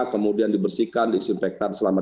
kemudian dibersihkan disinfektan selama